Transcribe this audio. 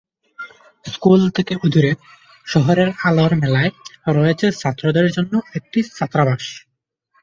School থেকে অদূরে শহরের আলোর মেলায় রয়েছে ছাত্রদের জন্য একটি ছাত্রাবাস।